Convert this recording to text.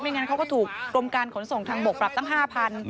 งั้นเขาก็ถูกกรมการขนส่งทางบกปรับตั้ง๕๐๐บาท